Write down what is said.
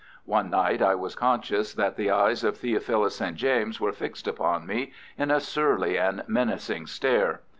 One night I was conscious that the eyes of Theophilus St. James were fixed upon me in a surly and menacing stare.